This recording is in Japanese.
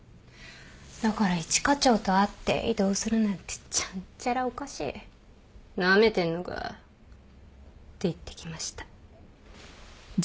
だから一課長と会って「異動するなんてちゃんちゃらおかしい」「なめてんのか」って言ってきました。